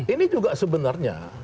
ini juga sebenarnya